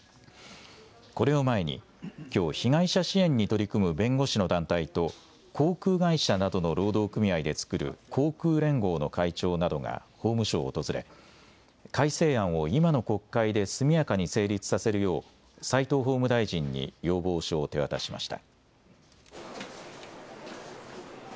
これを前に、きょう被害者支援に取り組む弁護士の団体と航空会社などの労働組合で作る航空連合の会長などが法務省を訪れ改正案を今の国会で速やかに成立させるよう齋藤法務大臣に要望書を手渡しました。